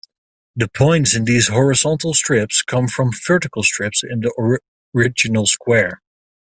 The points in these horizontal strips come from vertical strips in the original square.